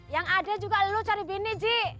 yang ada juga lo cari bini ji